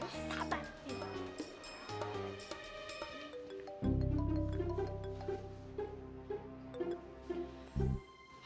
aku susah banget sih